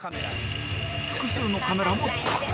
複数のカメラも使う